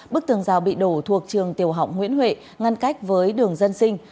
bức tường dào bị đổ thuộc trường tiều học nguyễn huệ ngăn cách với đường dân sinh